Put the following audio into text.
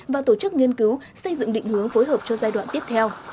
và tổ chức nghiên cứu xây dựng định hướng phối hợp cho giai đoạn tiếp theo